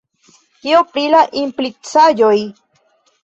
Kio pri la implicaĵoj?